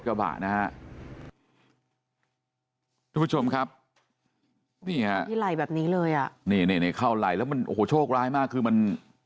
ทุกผู้ชมครับนี่ฮะที่ไหล่แบบนี้เลยอ่ะนี่นี่เข้าไหล่แล้วมันโอ้โหโชคร้ายมากคือมัน